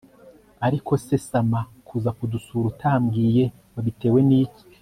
ariko se sama kuza kudusura utambwiye wabitewe niki